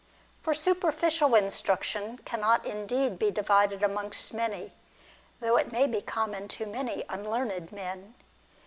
For superficial instruction cannot indeed be divided amongst many, though it may be common to many unlearned men.